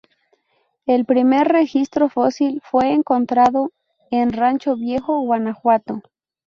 El primer registro fósil fue encontrado en Rancho Viejo, Guanajuato.